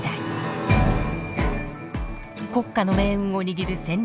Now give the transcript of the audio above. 国家の命運を握る戦略